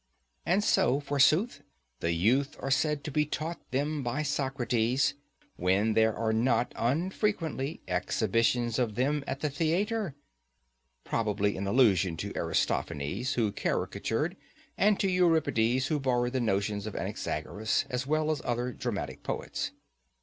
And so, forsooth, the youth are said to be taught them by Socrates, when there are not unfrequently exhibitions of them at the theatre (Probably in allusion to Aristophanes who caricatured, and to Euripides who borrowed the notions of Anaxagoras, as well as to other dramatic poets.)